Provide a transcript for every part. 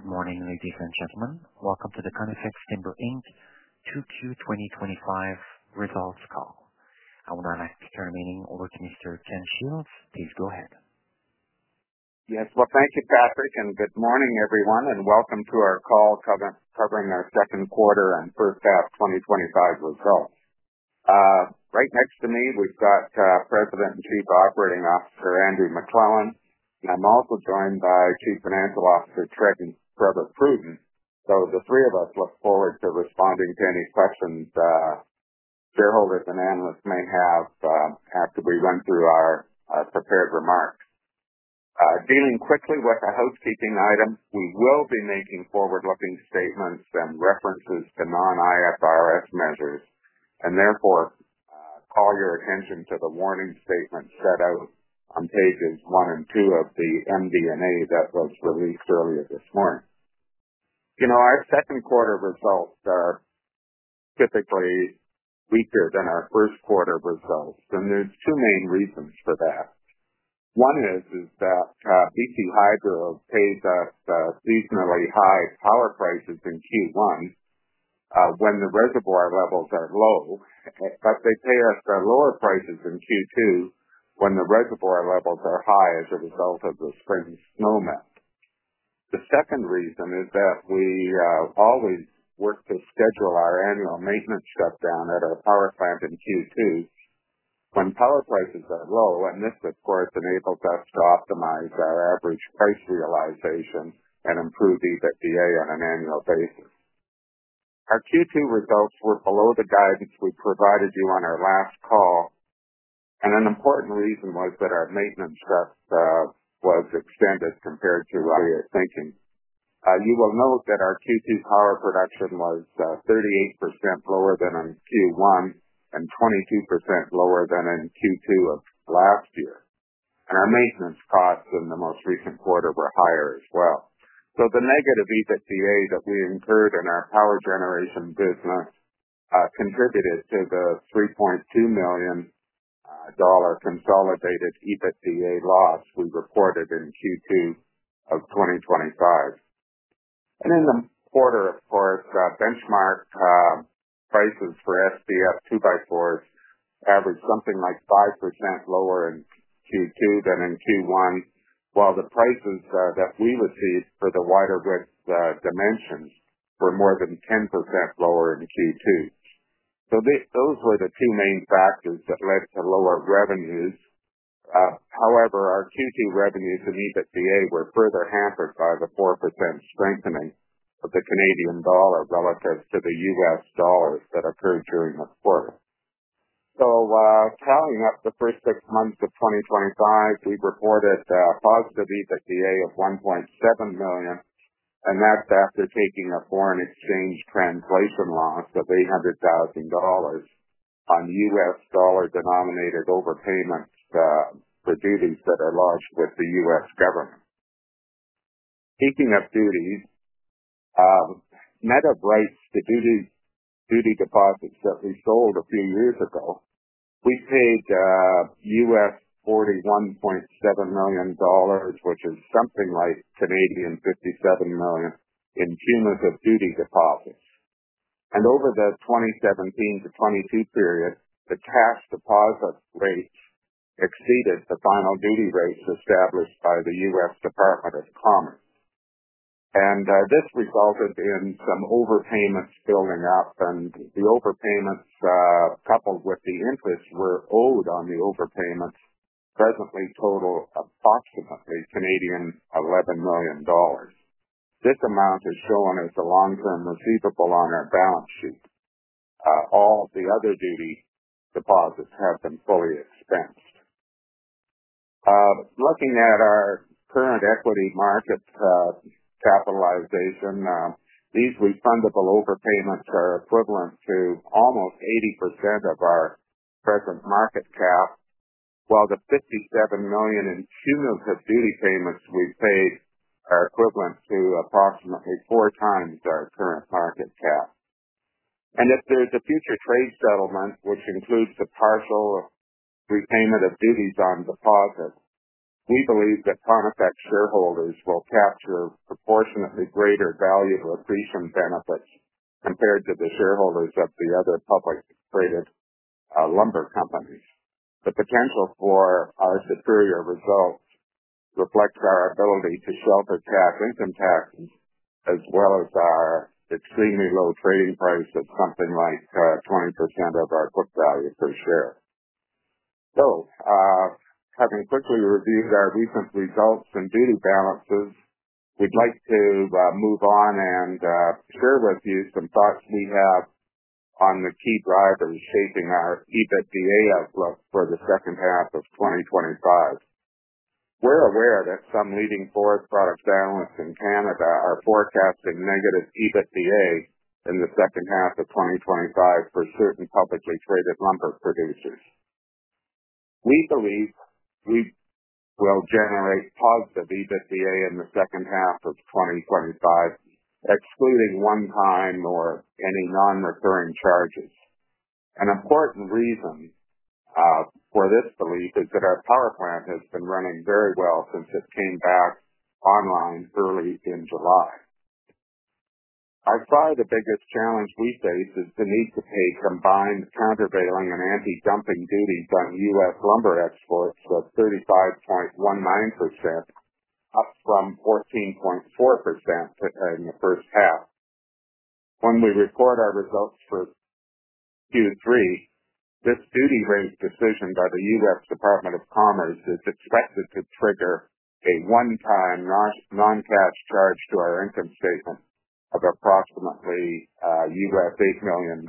Good morning, ladies and gentlemen. Welcome to the Conifex Timber Inc. Q2 2025 Results Call. I would now like to turn the meeting over to Mr. Ken Shields. Please go ahead. Thank you, Patrick, and good morning, everyone, and welcome to our call covering our second quarter and first half 2025 results. Right next to me, we've got President and Chief Operating Officer Andrew McLellan, and I'm also joined by Chief Financial Officer Trevor Pruden. The three of us look forward to responding to any questions shareholders and analysts may have after we run through our prepared remarks. Dealing quickly with the housekeeping item, we will be making forward-looking statements and references to non-IFRS measures, and therefore, call your attention to the warning statements set out on pages one and two of the MD&A that was released earlier this morning. Our second quarter results are typically weaker than our first quarter results, and there's two main reasons for that. One is that BC Hydro paid the reasonably high power prices in Q1, when the reservoir levels are low, but they pay us the lower prices in Q2 when the reservoir levels are high as a result of the spring snowmelt. The second reason is that we always work to schedule our annual maintenance shutdown at our power plant in Q2 when power prices are low, and this enables us to optimize our average price realization and improve EBITDA on an annual basis. Our Q2 results were below the guidance we provided you on our last call, and an important reason was that our maintenance shutdown was extended compared to what you're thinking. You will note that our Q2 power production was 38% lower than in Q1 and 22% lower than in Q2 of last year. Our maintenance costs in the most recent quarter were higher as well. The negative EBITDA that we incurred in our power generation business contributed to the $3.2 million consolidated EBITDA loss we reported in Q2 of 2025. In the quarter, benchmark prices for SPF 2x4s averaged something like 5% lower in Q2 than in Q1, while the prices that we received for the wider width dimensions were more than 10% lower in Q2. Those were the two main factors that led to lower revenues. However, our Q2 revenues and EBITDA were further hampered by the 4% strengthening of the Canadian dollar relative to the U.S. dollars that occurred during the quarter. Tallying up the first six months of 2025, we reported a positive EBITDA of $1.7 million, and that's after taking a foreign exchange translation loss of $800,000 on U.S. dollar-denominated overpayments for duties that are lodged with the U.S. government. Speaking of duties, net of rights, the duty deposits that we sold a few years ago, we paid $41.7 million, which is something like CAD $57 million in cumulative duty deposits. Over the 2017-2022 period, the cash deposit rates exceeded the final duty rates established by the U.S. Department of Commerce. This resulted in some overpayments building up, and the overpayments, coupled with the interest we're owed on the overpayments, presently total approximately CAD $11 million. This amount is shown as a long-term receivable on our balance sheet. All of the other duty deposits have been fully expensed. Looking at our current equity market capitalization, these refundable overpayments are equivalent to almost 80% of our present market cap, while the $57 million in cumulative duty payments we've paid are equivalent to approximately four times our current market cap. If there is a future trade settlement, which includes the partial repayment of duties on deposits, we believe that Conifex shareholders will capture a proportionately greater value of pre-shown benefits compared to the shareholders of the other publicly traded lumber companies. The potential for our superior results reflects our ability to shelter income taxes as well as our extremely low trading price of something like 20% of our book value per share. Having quickly reviewed our recent results and duty balances, we'd like to move on and share with you some thoughts we have on the key drivers shaping our EBITDA outlook for the second half of 2025. We're aware that some leading forward product analysts in Canada are forecasting negative EBITDA in the second half of 2025 for certain publicly traded lumber producers. We believe we will generate positive EBITDA in the second half of 2025, excluding one-time or any non-recurring charges. An important reason for this belief is that our power plant has been running very well since it came back online early in July. I saw the biggest challenge we face is the need to pay combined countervailing and anti-dumping duties on U.S. lumber exports of 35.19%, up from 14.4% in the first half. When we record our results for Q3, this duty-raised decision by the U.S. Department of Commerce is expected to trigger a one-time non-cash charge to our income statement of approximately $8 million.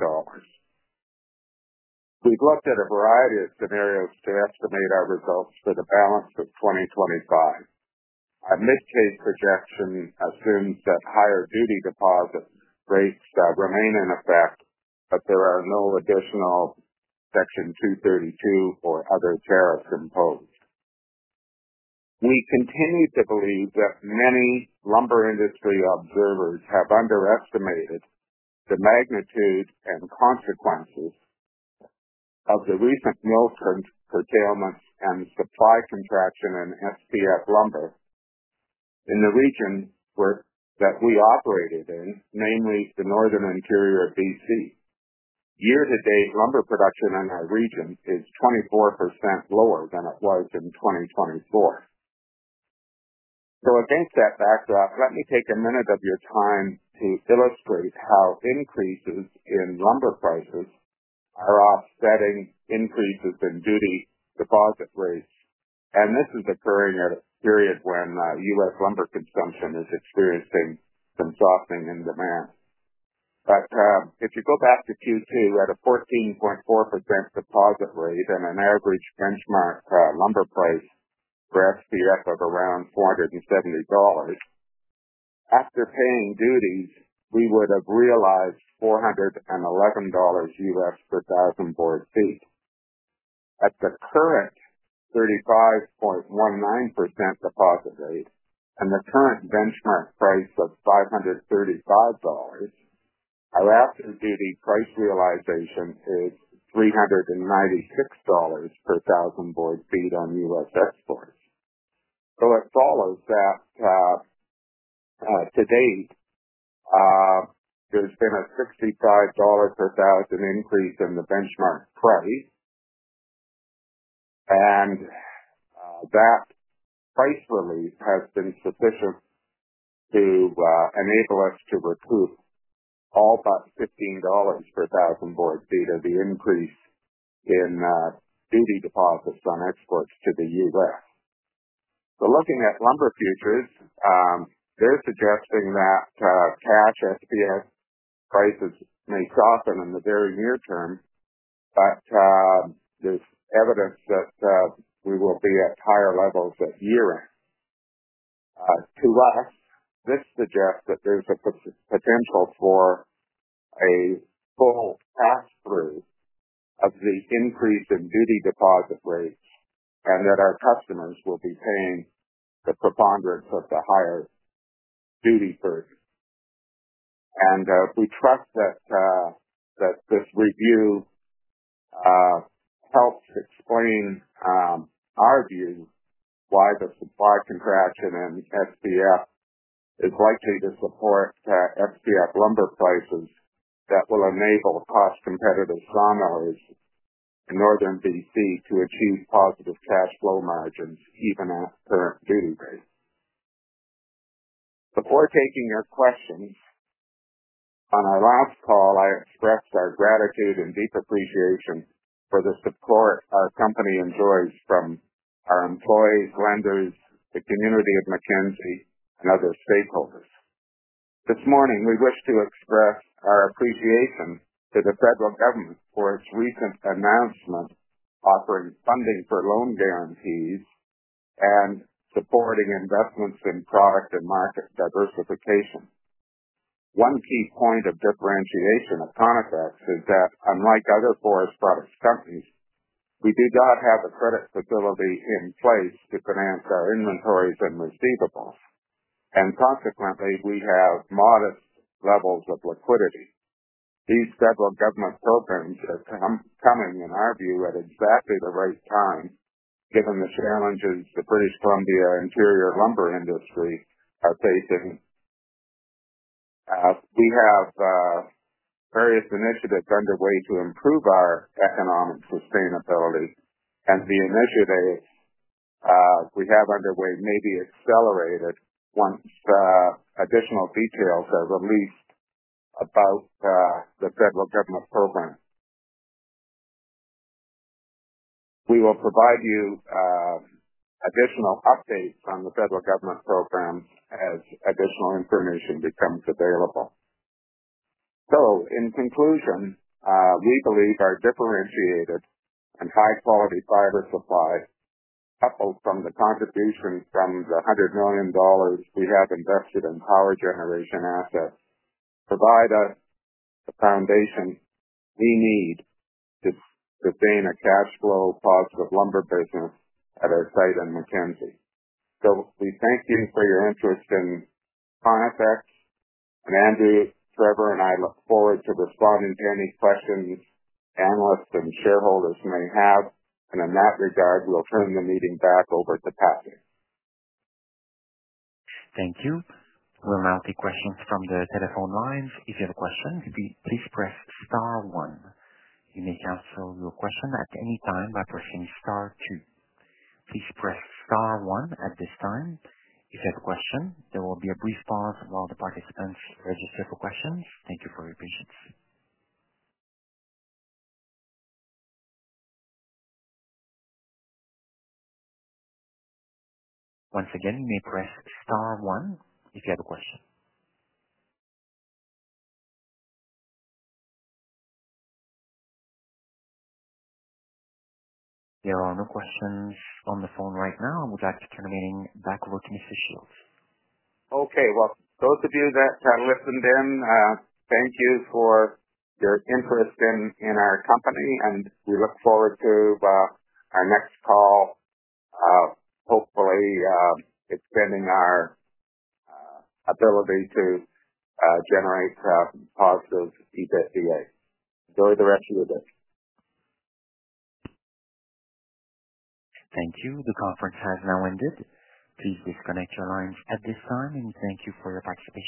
We've looked at a variety of scenarios to estimate our results for the balance of 2025. A mid-case projection assumes that higher duty deposit rates remain in effect, but there are no additional Section 232 or other tariffs imposed. We continue to believe that many lumber industry observers have underestimated the magnitude and consequences of the recent yields and curtailments and supply contraction in SPF lumber in the region that we operated in, namely the northern interior of BC. Year-to-date lumber production in that region is 24% lower than it was in 2024. Against that backdrop, let me take a minute of your time to illustrate how increases in lumber prices are offsetting increases in duty deposit rates, and this is occurring at a period when U.S. lumber consumption is experiencing some softening in demand. If you go back to Q2, at a 14.4% deposit rate and an average benchmark lumber price for SPF of around $470, after paying duties, we would have realized $411 per thousand board feet. At the current 35.19% deposit rate and the current benchmark price of $535, our absolute duty price realization is $396 per thousand board feet on U.S. exports. It follows that, to date, there's been a $65 per thousand increase in the benchmark price, and that price relief has been sufficient to enable us to recoup all but $15 per thousand board feet of the increase in duty deposits on exports to the U.S. Looking at lumber futures, they're suggesting that cash SPF prices may soften in the very near term, but there's evidence that we will be at higher levels at year-end. To us, this suggests that there's a potential for a full pass-through of the increase in duty deposit rates and that our customers will be paying the preponderance of the higher duty burden. We trust that this review helps explain our view why the supply contraction in SPF is likely to support SPF lumber prices that will enable cost-competitive sawmillers in Northern BC to achieve positive cash flow margins even at current duty rates. Before taking your questions, on our last call, I expressed our gratitude and deep appreciation for the support our company enjoys from our employees, lenders, the community of McKinsey, and other stakeholders. This morning, we wish to express our appreciation to the federal government for its recent announcement offering funding for loan guarantees and supporting investments in product and market diversification. One key point of differentiation of Conifex is that, unlike other forest products companies, we do not have a credit facility in place to finance our inventories and receivables, and consequently, we have modest levels of liquidity. These federal government programs are coming, in our view, at exactly the right time given the challenges the British Columbia interior lumber industry is facing now. We have various initiatives underway to improve our economic sustainability, and the initiative we have underway may be accelerated once additional details are released about the federal government program. We will provide you additional updates on the federal government program as additional information becomes available. In conclusion, we believe our differentiated and high-quality fiber supply, coupled from the contributions under the $100 million we have invested in power generation assets, provide us the foundation we need to sustain a cash-flow positive lumber business at our site in Mackenzie. We thank you for your interest in Conifex, and Andrew, Trevor, and I look forward to responding to any questions analysts and shareholders may have, and in that regard, we'll turn the meeting back over to Patrick. Thank you. We'll now take questions from the telephone lines. If you have a question, please press star one. You may cancel your question at any time by pressing star two. Please press star one at this time. If you have a question, there will be a brief pause while the participants register for questions. Thank you for your patience. Once again, you may press star one if you have a question. There are no questions on the phone right now, and we'd like to turn the meeting back over to Mr. Shields. Okay. Those of you that have listened in, thank you for your interest in our company, and we look forward to our next call, hopefully extending our ability to generate positive EBITDA. Enjoy the rest of your day. Thank you. The conference has now ended. Please disconnect your lines at this time, and we thank you for your participation.